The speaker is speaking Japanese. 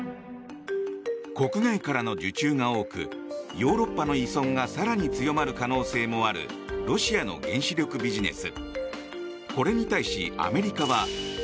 国外からの受注が多くヨーロッパの依存が更に強まる可能性もあるロシアの原子力ビジネス。